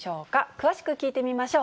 詳しく聞いてみましょう。